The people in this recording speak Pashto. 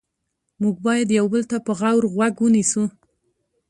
موږ باید یو بل ته په غور غوږ ونیسو